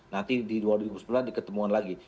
nanti di dua ribu sembilan diketemuan lagi